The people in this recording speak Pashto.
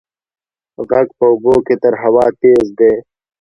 غږ په اوبو کې تر هوا تېز دی.